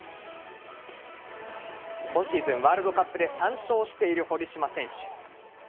今シーズン、ワールドカップで３勝している堀島選手。